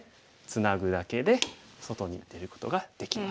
ツナぐだけで外に出ることができます。